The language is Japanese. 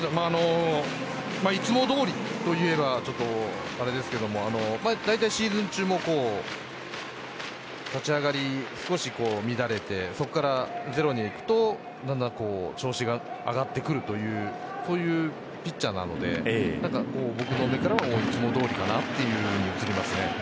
いつもどおりといえばちょっとあれですけどだいたい、シーズン中も立ち上がり少し乱れてそこからゼロでいくとだんだん調子が上がってくるというそういうピッチャーなので僕の目からはいつもどおりかな